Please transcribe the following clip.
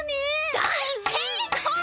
大成功！